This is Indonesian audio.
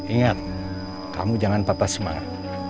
ingat kamu jangan patah semangat